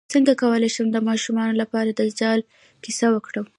څنګه کولی شم د ماشومانو لپاره د دجال کیسه وکړم